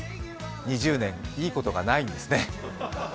２０年、いいことがないんですね。